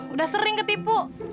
udah sering ketipu